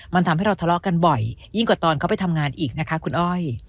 มันทำให้เราทะเลาะกันบ่อยยิ่งกว่าตอนเขาไปทำงานอีกนะคะคุณอ้อย